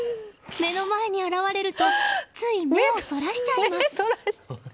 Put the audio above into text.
目の前に現れるとつい目をそらしちゃいます。